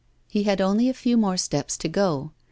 He had only a few more steps to go.